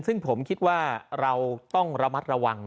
ซึ่งผมคิดว่าเราต้องระมัดระวัง